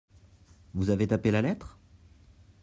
Vous avez tapé la lettre ?